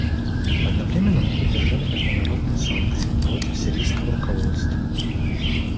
Одновременно мы поддержали международные санкции против сирийского руководства.